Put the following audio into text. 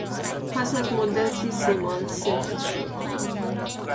پس از مدتی سیمان سفت شد.